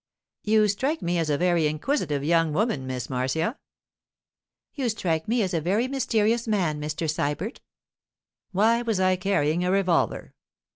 'You strike me as a very inquisitive young woman, Miss Marcia.' 'You strike me as a very mysterious man, Mr. Sybert.' 'Why was I carrying a revolver?